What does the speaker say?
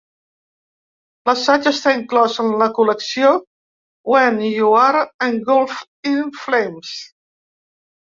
L'assaig està inclòs en la col·lecció "When You Are Engulfed in Flames".